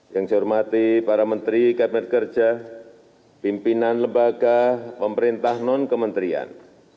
yang saya hormati para menteri kabinet kerja pimpinan lembaga pemerintah non kementerian